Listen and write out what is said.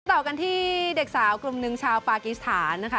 ต่อกันที่เด็กสาวกลุ่มหนึ่งชาวปากีสถานนะคะ